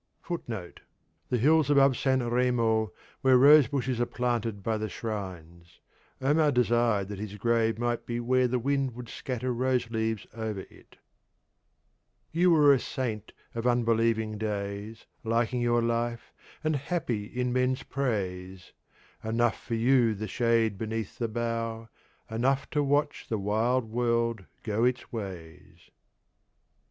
(1) The hills above San Remo, where rose bushes are planted by the shrines. Omar desired that his grave might be where the wind would scatter rose leaves over it. You were a Saint of unbelieving days, Liking your Life and happy in men's Praise; Enough for you the Shade beneath the Bough, Enough to watch the wild World go its Ways.